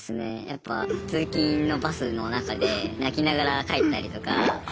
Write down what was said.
やっぱ通勤のバスの中で泣きながら帰ったりとか。